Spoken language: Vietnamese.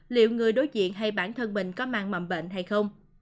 liệu người đối diện hay bản thân mình có mang mầm bệnh hay không